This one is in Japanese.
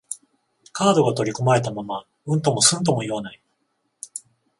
カードが取り込まれたまま、うんともすんとも言わない